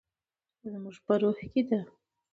زموږ په روح کې ده.